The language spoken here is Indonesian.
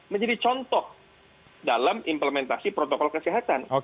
menjadi contoh dalam implementasi protokol kesehatan